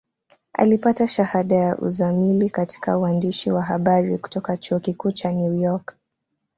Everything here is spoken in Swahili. Alipata shahada ya uzamili katika uandishi wa habari kutoka Chuo Kikuu cha New York.